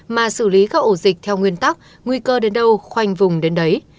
mà xử lý các ổ dịch theo nguyên tắc nguy cơ đến đâu khoanh vùng đến đấy